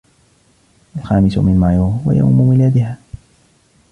الخامس من مايو هو يوم ميلادها.